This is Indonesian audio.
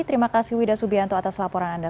terima kasih wida subianto atas laporan anda